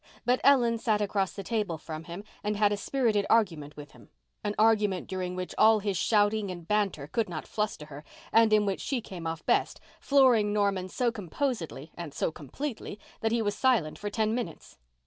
But Ellen sat across the table from him and had a spirited argument with him—an argument during which all his shouting and banter could not fluster her and in which she came off best, flooring Norman so composedly and so completely that he was silent for ten minutes.